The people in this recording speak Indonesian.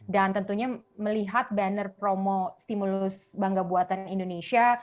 dan tentunya melihat banner promo stimulus bangga buatan indonesia